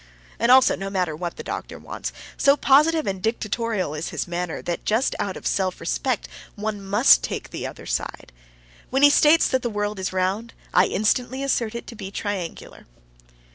And also, no matter what the doctor wants, so positive and dictatorial is his manner that just out of self respect one must take the other side. When he states that the world is round, I instantly assert it to be triangular.